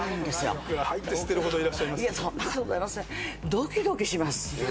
ドキドキします。